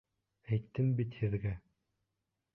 Әйттем бит һеҙгә!